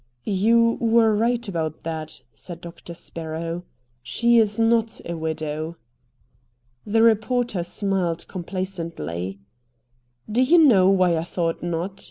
"You were right about that," said Doctor Sparrow; "she is not a widow." The reporter smiled complacently. "Do you know why I thought not?"